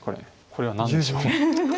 これは何でしょう。